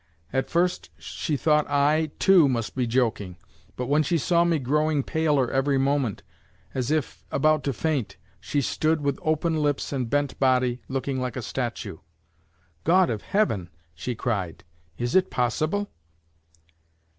At first she thought I, too, must be joking; but when she saw me growing paler every moment, as though about to faint, she stood with open lips and bent body, looking like a statue. "God of Heaven!" she cried, "is it possible?"